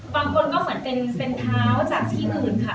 บางคนก็เหมือนเป็นเท้าจากที่อื่นค่ะ